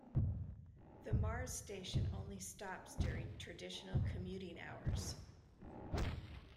The Mars station only stops during traditional commuting hours.